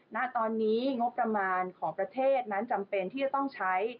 ณตอนนี้งบประมาณของประเทศนั้นจำเป็นที่จะต้องใช้